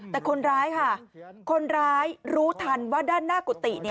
แต่คนร้ายค่ะคนร้ายรู้ทันว่าด้านหน้ากุฏิ